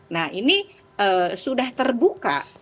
nah ini sudah terbuka